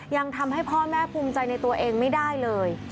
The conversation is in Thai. ยังทำให้พ่อแม่ภูมิใจในตัวเองไม่ได้เลย